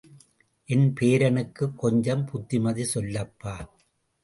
என் பேரனுக்குக் கொஞ்சம் புத்திமதி சொல்லப்பா.